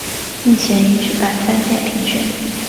目前已举办三届评选。